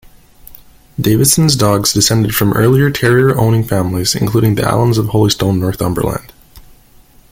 Davidson's dogs descended from earlier terrier owning families, including the Allans of Holystone, Northumberland.